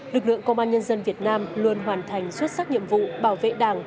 lực lượng công an nhân dân việt nam luôn hoàn thành xuất sắc nhiệm vụ bảo vệ đảng